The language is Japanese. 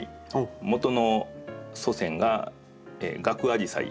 もとの祖先がガクアジサイ。